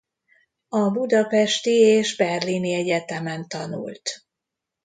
A budapesti és berlini egyetemen tanult.